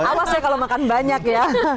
awas ya kalau makan banyak ya